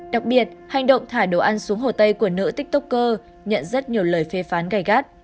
đặc biệt hành động thả đồ ăn xuống hồ tây của nữ tiktoker nhận rất nhiều lời phê phán gây gắt